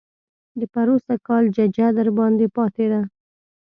د پروسږ کال ججه درباندې پاتې ده.